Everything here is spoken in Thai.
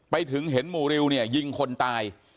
ไปถึงเห็นหมู่ริวเนี่ยยิงคนตาย